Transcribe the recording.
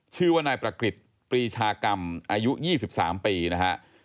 ชื่อว่านายประกฤษปรีชากรรมอายุ๒๓ปีนะฮะ